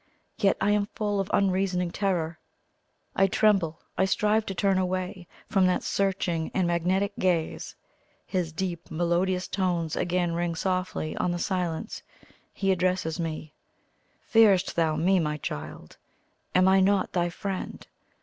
Yet I am full of unreasoning terror; I tremble I strive to turn away from that searching and magnetic gaze. His deep, melodious tones again ring softly on the silence. He addresses me. "Fearest thou me, my child? Am I not thy friend?